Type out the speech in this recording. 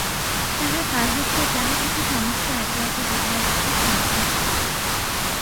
তাহার গার্হস্থ্যের যাহা কিছু সমস্ত একে একে বিভার হাতে সমর্পণ করিল।